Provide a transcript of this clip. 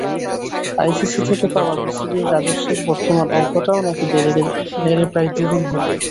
ICC থেকে পাওয়া বিসিবির রাজস্বের বর্তমান অঙ্কটাও নাকি বেড়ে প্রায় দ্বিগুণ হবে।